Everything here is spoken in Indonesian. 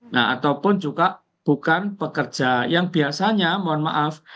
nah ataupun juga bukan pekerja yang biasanya mohon maaf